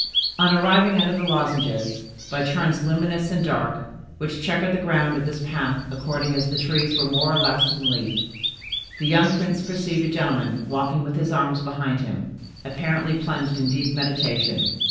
On arriving under the lozenges, by turns luminous and dark, which checkered the ground of this path according as the trees were more or less in leaf, the young prince perceived a gentleman walking with his arms behind him, apparently plunged in a deep meditation.